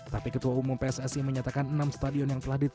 tapi ketua umum pssi menyatakan enam stadion yang teladit